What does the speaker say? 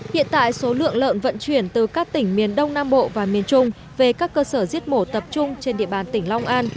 hiện tại số lượng lợn vận chuyển từ các tỉnh miền đông nam bộ và miền trung về các cơ sở giết mổ tập trung trên địa bàn tỉnh long an